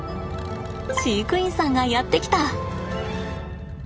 飼育員さんがやって来た！